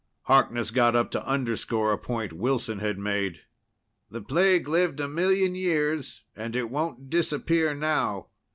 Harkness got up to underscore a point Wilson had made. "The plague lived a million years, and it won't disappear now.